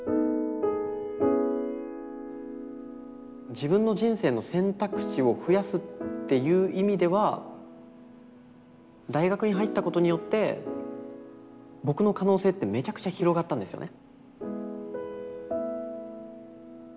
自分の人生の選択肢を増やすっていう意味では大学に入ったことによって僕の可能性ってめちゃくちゃ広がったんですよね。